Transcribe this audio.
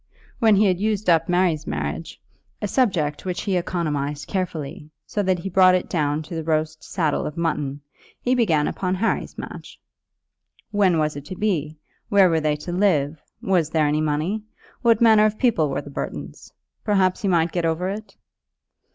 When he had used up Mary's marriage, a subject which he economized carefully, so that he brought it down to the roast saddle of mutton, he began upon Harry's match. When was it to be? Where were they to live? Was there any money? What manner of people were the Burtons? Perhaps he might get over it?